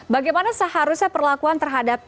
bagaimana seharusnya perlakuan terhadap